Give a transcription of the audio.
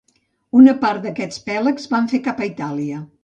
Una part d'aquests pelasgs van fer cap a Itàlia.